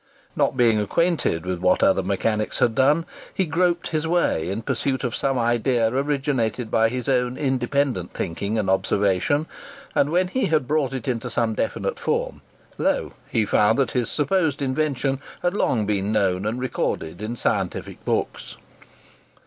Not being acquainted with what other mechanics had done, he groped his way in pursuit of some idea originated by his own independent thinking and observation; and, when he had brought it into some definite form, lo! he found that his supposed invention had long been known and recorded in scientific books.